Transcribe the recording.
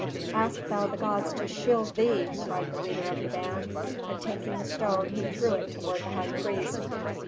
"Ask thou the gods to shield thee!" cried the leader of the band, and taking a stone he threw it toward the high priest.